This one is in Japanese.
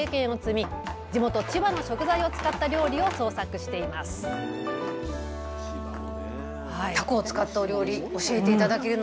地元千葉の食材を使った料理を創作していますたこ